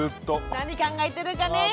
何考えてるかねえ